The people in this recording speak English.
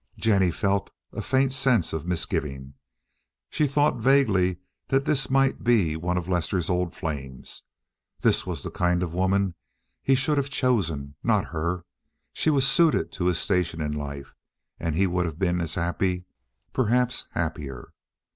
Jennie felt a faint sense of misgiving. She thought vaguely that this might be one of Lester's old flames. This was the kind of woman he should have chosen—not her. She was suited to his station in life, and he would have been as happy—perhaps happier.